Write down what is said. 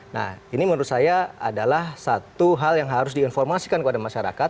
nah ini menurut saya adalah satu hal yang harus diinformasikan kepada masyarakat